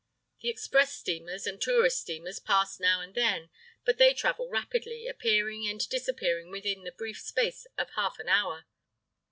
The express steamers and tourist steamers pass now and then, but they travel rapidly, appearing and disappearing within the brief space of half an hour.